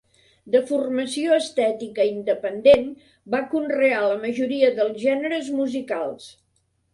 De formació estètica independent, va conrear la majoria dels gèneres musicals.